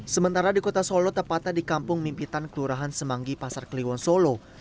sementara di kota solo tepatnya di kampung mimpitan kelurahan semanggi pasar kliwon solo